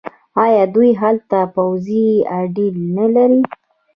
آیا دوی هلته پوځي اډې نلري؟